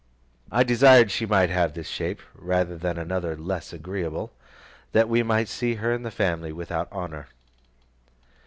I desired she might have this shape, rather than another less agreeable, that we might see her in the family without horror.